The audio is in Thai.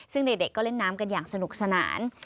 ซึ่งเด็กก็เล่นน้ำกันอย่างสนุกสนาน